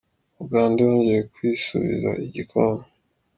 Uganda yongeye kwisubiza igikombe